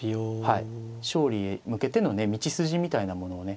勝利へ向けてのね道筋みたいなものをね